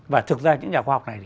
và thực ra những nhà khoa học này